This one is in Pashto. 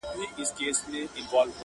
چي پر سر د دې غريب دئ كښېنستلى٫